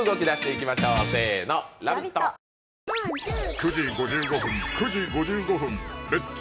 ９時５５分９時５５分「レッツ！